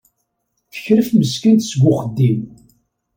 Tekref meskint seg uxeddim.